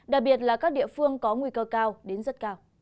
đặc biệt là các địa phương có nguy cơ cao đến rất cao